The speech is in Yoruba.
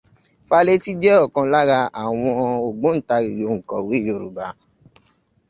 Fálétí jẹ́ ọ̀kan lára àwọn ògbóǹtarìgì òǹkọ̀wé Yorùbá.